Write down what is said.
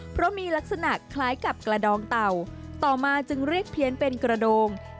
เพราะมีลักษณะคล้ายกับกระดองเต่าต่อมาจึงเรียกเพี้ยนเป็นกระโดง